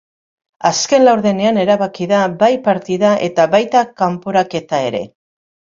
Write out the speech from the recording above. Azken laurdenean erabaki da bai partida eta baita kanporaketa ere.